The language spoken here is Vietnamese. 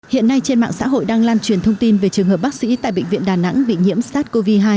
hiện nay trên mạng xã hội đang lan truyền thông tin về trường hợp bác sĩ tại bệnh viện đà nẵng bị nhiễm sars cov hai